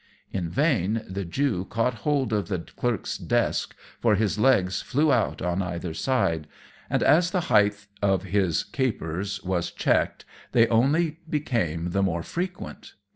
In vain the Jew caught hold of the clerk's desk, for his legs flew out on either side; and as the height of his capers was checked they only became the more frequent.